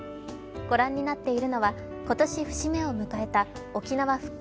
ご覧になっているのは、今年節目を迎えた沖縄復帰